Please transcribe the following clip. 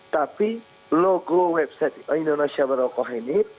tapi logo website indonesia barokok ini